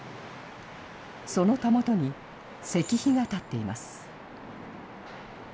そのたもとに石碑が建っています。